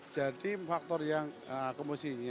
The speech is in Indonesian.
jadi faktor yang komposisi